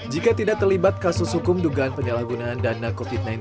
jika tidak terlibat kasus hukum dugaan penyalahgunaan dana covid sembilan belas